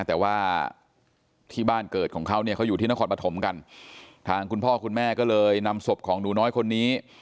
แต่ว่าที่บ้านเกิดของเขาเนี่ยเขาอยู่ที่นครปฐมกันทางคุณพ่อคุณแม่ก็เลยนำศพของหนูน้อยคนนี้